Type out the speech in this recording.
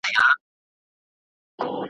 په سل ګونو یې ترې جوړ کړل قفسونه,